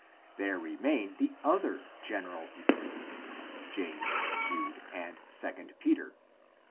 There remain the other general epistles, James, Jude, and II Peter.